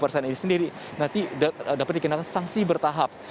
tujuh puluh lima persen ini sendiri nanti dapat dikenakan sanksi bertahap